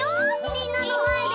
みんなのまえで？